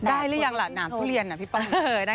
ได้หรือยังละหน่าผู้เรียนน่ะพี่ป้อง